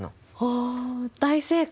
お大正解！